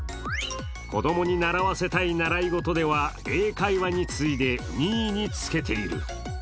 子供に習わせたい習い事では、英会話に次いで２位につけている。